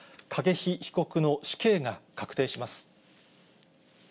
筧被告の死刑が確定します。